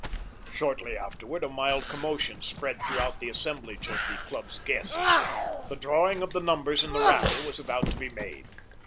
Shortly afterward a mild commotion spread throughout the assemblage of the club's guests. The drawing of the numbers in the raffle was about to be made.